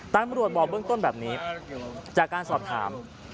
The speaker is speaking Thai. ตำรวจบอกเบื้องต้นแบบนี้จากการสอบถาม